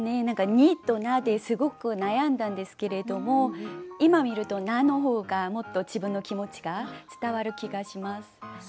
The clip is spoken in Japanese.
「に」と「な」ですごく悩んだんですけれども今見ると「な」の方がもっと自分の気持ちが伝わる気がします。